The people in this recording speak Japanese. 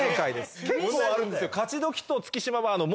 結構あるんですよ。